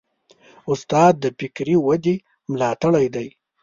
استاد د فکري ودې ملاتړی دی.